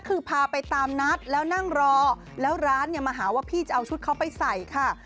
คือพาไปตามนัดแล้วนั่งรอแล้วร้านเนี่ยมาหาว่าพี่จะเอาชุดเขาไปใส่ค่ะ